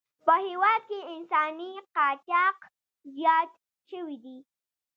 په هېواد کې انساني قاچاق زیات شوی دی.